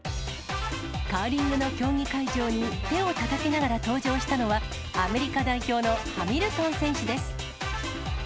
カーリングの競技会場に、手をたたきながら登場したのは、アメリカ代表のハミルトン選手です。